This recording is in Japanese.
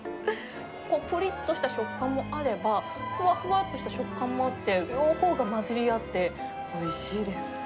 ぷりっとした食感もあれば、ふわふわとした食感もあって、両方が混じり合って、おいしいです。